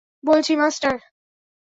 বলছি, মাস্টার।